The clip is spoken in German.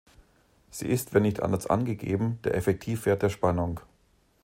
Sie ist wenn nicht anders angegeben der Effektivwert der Spannung.